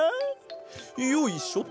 よいしょと。